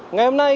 ngày hôm nay